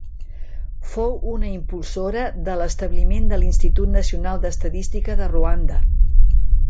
Fou una impulsora de l'establiment de l'Institut Nacional d'Estadística de Ruanda.